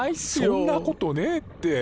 そんなことねえって。